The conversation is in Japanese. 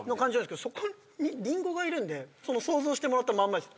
そこにりんごがいるんで想像してもらったまんまです。